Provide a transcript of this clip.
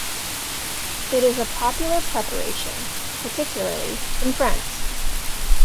It is a popular preparation, particularly in France.